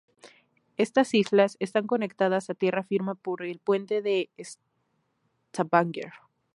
Estas islas están conectadas a tierra firme por el Puente de Stavanger.